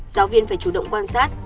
giáo viên phải chủ động quan sát